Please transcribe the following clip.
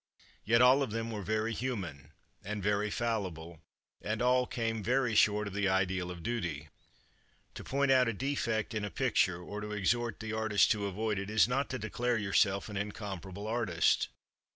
Yet all of them were very human and very fallible, and all came very short of the ideal of duty. To point out a defect in a picture, or to exhort the artist to avoid it, is not to declare yourself an incomparable artist.